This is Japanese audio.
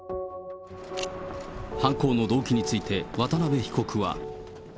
犯行の動機について、渡辺被告は。